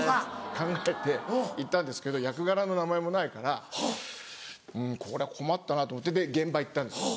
考えて行ったんですけど役柄の名前もないからうんこれは困ったなと思ってで現場行ったんです。